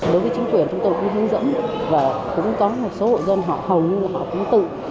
đối với chính quyền chúng tôi cũng hướng dẫn và cũng có một số hộ dân họ hầu như họ cũng tự